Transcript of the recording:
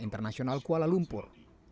internasional kuala lumpur